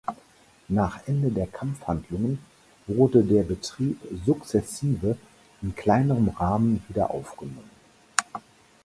Nach Ende der Kampfhandlungen wurde der Betrieb sukzessive in kleinerem Rahmen wieder aufgenommen.